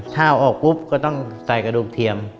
ถ้าเอาออกปุ๊บก็ต้องใส่กระดูกเทียม